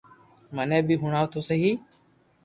مني بي ھڻاو تو سھي